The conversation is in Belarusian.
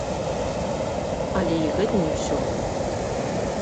Але і гэта не ўсё.